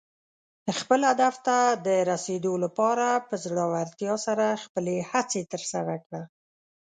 خپل هدف ته د رسېدو لپاره په زړۀ ورتیا سره خپلې هڅې ترسره کړه.